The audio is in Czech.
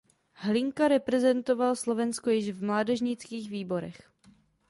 Hlinka reprezentoval Slovensko již v mládežnických výběrech.